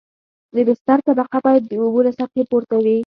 د بستر طبقه باید د اوبو له سطحې پورته وي